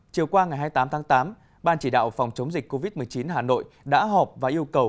chiều qua ngày hai mươi tám tháng tám ban chỉ đạo phòng chống dịch covid một mươi chín hà nội đã họp và yêu cầu